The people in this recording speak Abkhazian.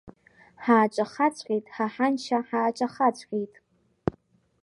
Ҳааҿахаҵәҟьеит, ҳа ҳаншәа, ҳааҿахаҵәҟьеит…